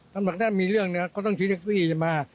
ถ้ามีเรื่องเนี่ยเขาต้องชี้แท็กซี่มา